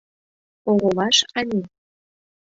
Оролаш, ане?!